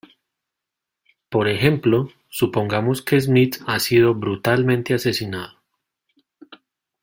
Por ejemplo, supongamos que Smith ha sido brutalmente asesinado.